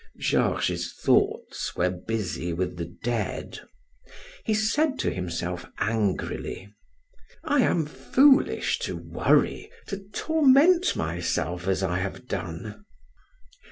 Georges' thoughts were busy with the dead; he said to himself angrily: "I am foolish to worry, to torment myself as I have done."